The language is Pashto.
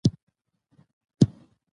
تالابونه د افغانانو د تفریح یوه وسیله ده.